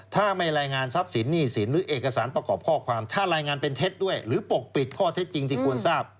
ถ้าไม่รายงานทรัพย์สินหนี้สินหรือเอกสารประกอบข้อความถ้ารายงานเป็นเท็จด้วยหรือปกปิดข้อเท็จจริงที่ควรทราบ